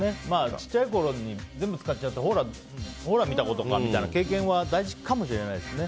小さいころに全部使っちゃってほら、見たことかって経験は大事かもしれないですね。